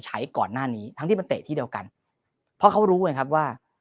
ก่อนหน้านี้ทั้งที่มันเตะที่เดียวกันเพราะเขารู้ไงครับว่า